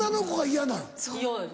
嫌です